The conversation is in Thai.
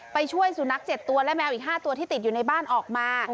ไปช่วยสุนัข๗ตัวและแมวอีก๕ตัวที่ติดอยู่ในบ้านออกมา